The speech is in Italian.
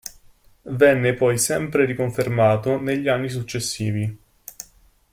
Venne poi sempre riconfermato negli anni successivi.